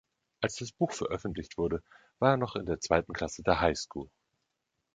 Als das Buch veröffentlicht wurde, war er noch in der zweiten Klasse der High School.